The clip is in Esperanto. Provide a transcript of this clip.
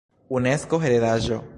Unesko heredaĵo